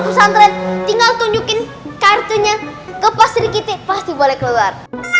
pesantren tinggal tunjukin kartunya ke pos sedikit pasti boleh keluar